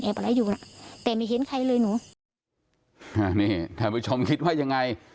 อะไรอยู่น่ะแต่ไม่เห็นใครเลยหนูอ่านี่ท่านผู้ชมคิดว่ายังไง